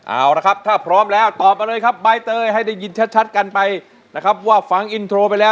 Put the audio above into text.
เอาละครับถ้าพร้อมแล้วตอบมาเลยครับใบเตยให้ได้ยินชัดกันไปนะครับว่าฟังอินโทรไปแล้ว